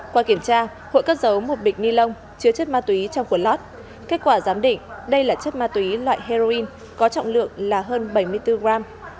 qua kiểm tra hội cất giấu một bịch ni lông chứa chất ma túy trong cuốn lót kết quả giám định đây là chất ma túy loại heroin có trọng lượng là hơn bảy mươi bốn gram